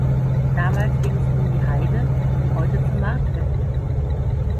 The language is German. Damals ging es um die Heide, die heute zu Martfeld gehört.